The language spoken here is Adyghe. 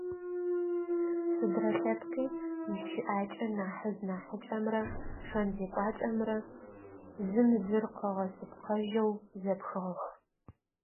Сыдрэ лъэпкъи ищыӏакӏэ нахьыжъ-нахьыкӏэмрэ шэн-зекӏуакӏэмрэ зым зыр къыгъэшъыпкъэжьэу зэпхыгъэх.